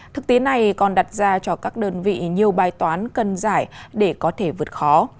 thực tế này còn đặt ra cho các đơn vị nhiều bài toán cần giải để có thể vượt khó